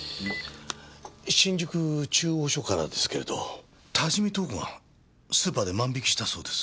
新宿中央署からですけれど多治見透子がスーパーで万引きしたそうです。